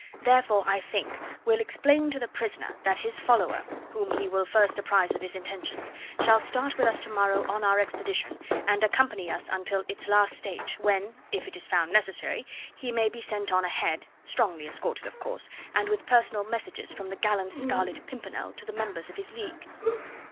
Therefore, I think, we'll explain to the prisoner that his follower, whom he will first apprise of his intentions, shall start with us to morrow on our expedition, and accompany us until its last stage, when, if it is found necessary, he may be sent on ahead, strongly escorted of course, and with personal messages from the gallant Scarlet Pimpernel to the members of his League."